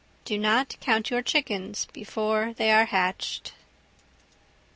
Do not count your chickens before they are hatched.